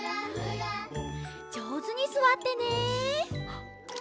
じょうずにすわってね！